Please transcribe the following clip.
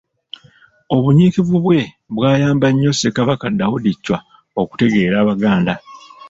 Obunyiikivu bwe bwayamba nnyo Ssekabaka Daudi Chwa okutegeera Abaganda.